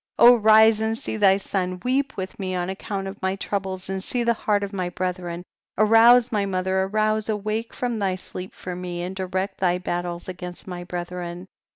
32. rise and see thy son, weep with me on account of my troubles, and see the heart of my brethren. 33. Arouse my mother, arouse, awake from thy sleep for me, and direct thy battles against my bre thren.